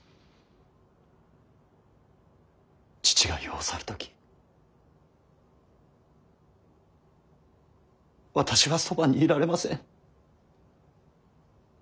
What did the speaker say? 父が世を去る時私はそばにいられません。